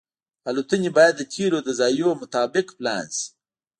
الوتنې باید د تیلو د ځایونو مطابق پلان شي